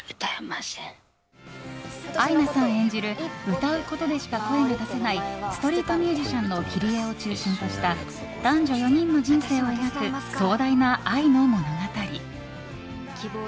アイナさん演じる歌うことでしか声が出せないストリートミュージシャンのキリエを中心とした男女４人の人生を描く壮大な愛の物語。